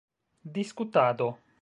diskutado